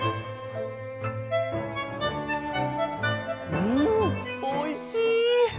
うんおいしい！